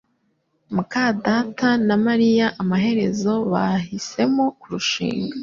muka data na Mariya amaherezo bahisemo kurushinga